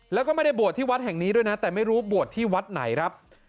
แล้วก็ไม่ได้บวชที่วัดแห่งนี้ด้วยนะแต่ไม่รู้บวชที่วัดไหนครับ